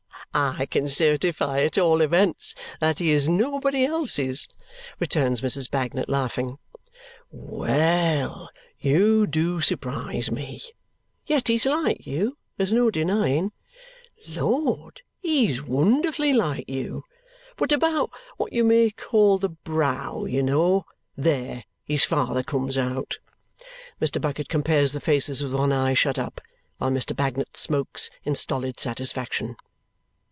"I can certify at all events that he is not anybody else's," returns Mrs. Bagnet, laughing. "Well, you do surprise me! Yet he's like you, there's no denying. Lord, he's wonderfully like you! But about what you may call the brow, you know, THERE his father comes out!" Mr. Bucket compares the faces with one eye shut up, while Mr. Bagnet smokes in stolid satisfaction.